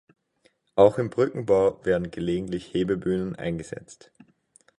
Auch im Brückenbau werden gelegentlich Hebebühnen eingesetzt.